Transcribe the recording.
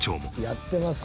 やってますね